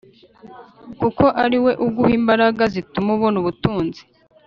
kuko ari we uguha imbaraga zituma ubona ubutunzi